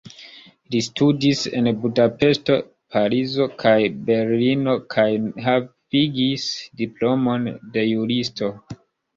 Li studis en Budapeŝto, Parizo kaj Berlino kaj havigis diplomon de juristo.